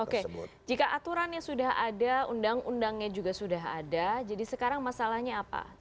oke jika aturannya sudah ada undang undangnya juga sudah ada jadi sekarang masalahnya apa